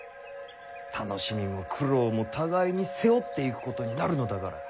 楽しみも苦労も互いに背負っていくことになるのだから。